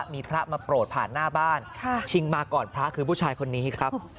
มีพระมาโปรดผ่านหน้าบ้านชิงมาก่อนพระคือผู้ชายคนนี้ครับ